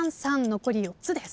残り４つです。